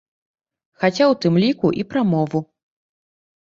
Хаця ў тым ліку і пра мову.